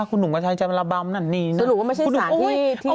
คุณหนุ่มก็ชัดจะละบำนั่นนี้นะคุณหนุ่มโอ้โฮสรุปว่าไม่ใช่สถานที่